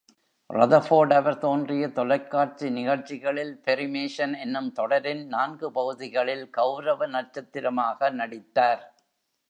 Rutherford அவர் தோன்றிய தொலைக்காட்சி நிகழ்ச்சிகளில் “பெரி மேசன்” என்னும் தொடரின் நான்கு பகுதிகளில் கௌரவ நட்சத்திரமாக நடித்தார்.